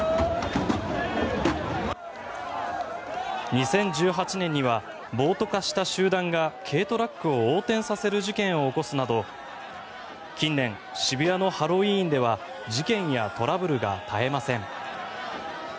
２０１８年には暴徒化した集団が軽トラックを横転させる事件を起こすなど近年、渋谷のハロウィーンでは事件やトラブルが絶えません。